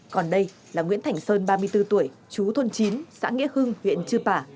còn đây là nguyễn thành sơn ba mươi bốn tuổi chú thuân chín xã nghĩa hưng huyện chư pá